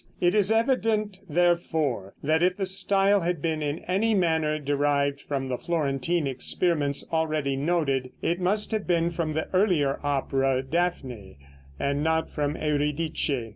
It is evident, therefore, that if the style had been in any manner derived from the Florentine experiments already noted, it must have been from the earlier opera "Dafne" and not from "Eurydice."